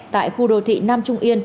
tại khu đô thị nam trung yên